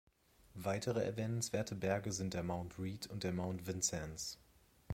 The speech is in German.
Weitere erwähnenswerte Berge sind der Mount Reed und der Mount Vincennes.